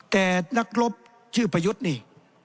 แต่นักรบชื่อประยุทธ์นี่